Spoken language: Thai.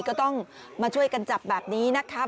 ก็ต้องมาช่วยกันจับแบบนี้นะคะ